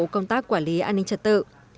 công tác quản lý an ninh trật tự